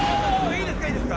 いいですか？